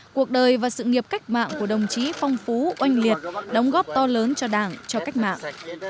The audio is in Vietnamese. cuộc đời và sự nghiệp cách mạng của đồng chí phong phú oanh liệt đóng góp to lớn cho đảng cho cách mạng